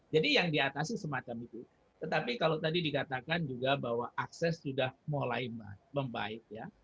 jadi yang diatasi semacam itu tetapi kalau tadi dikatakan juga bahwa akses sudah mulai membaik ya